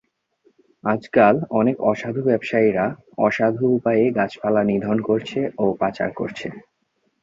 আজকাল অনেক অসাধু ব্যবসায়ীরা অসাধু উপায়ে গাছপালা নিধন করছে ও পাচার করছে।